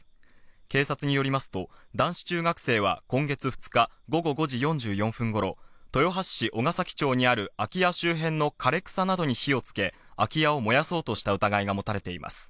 警察によりますと男子中学生は今月２日、午後５時４４分頃、豊橋市王ケ崎町にある空き家周辺の枯れ草などに火をつけ、空き家を燃やそうとした疑いが持たれています。